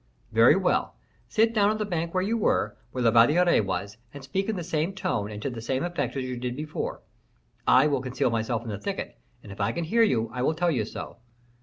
"Very well; sit down on the bank where you were, where La Valliere was, and speak in the same tone and to the same effect as you did before; I will conceal myself in the thicket, and if I can hear you, I will tell you so."